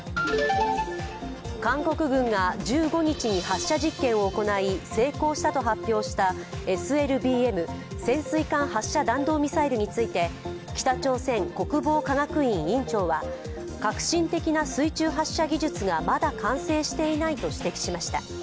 韓国軍が１５日に発射実験を行い、成功したと発表したＳＬＢＭ＝潜水艦発射弾道ミサイルについて北朝鮮国防科学院院長は核心的な水中発射技術がまだ完成していないと指摘しました。